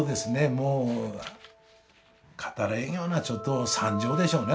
もう語れんようなちょっと惨状でしょうね